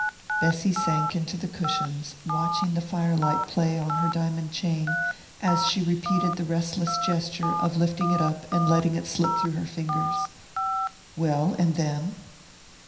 Bessy sank into the cushions, watching the firelight play on her diamond chain as she repeated the restless gesture of lifting it up and letting it slip through her fingers. "Well and then?"